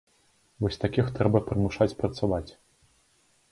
Вось такіх трэба прымушаць працаваць.